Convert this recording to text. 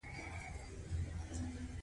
دوی به ډېرې ګټې په خپلو جېبونو کې پټولې